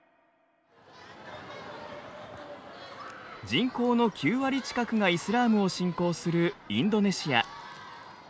人口の９割近くがイスラームを信仰するインドネシア。